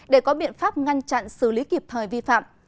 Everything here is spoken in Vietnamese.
để có biện pháp ngăn chặn xử lý kịp thời vi phạm